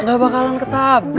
gak bakalan ketabrak